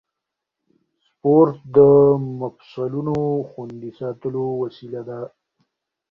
سپورت د مفصلونو خوندي ساتلو وسیله ده.